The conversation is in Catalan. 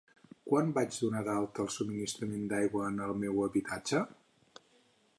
Quan vaig donar d'alta el subministrament d'aigua en el meu habitatge?